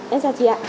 em chào chị ạ